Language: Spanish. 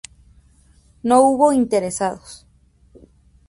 No hubo interesados.